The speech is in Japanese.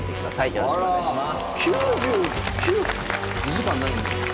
よろしくお願いします。